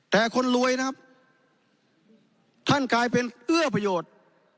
แต่คนรวยนะครับท่านกลายเป็นเอื้อประโยชน์